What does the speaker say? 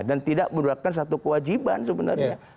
dan tidak merupakan satu kewajiban sebenarnya